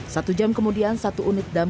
satu jam kemudian satu undang undang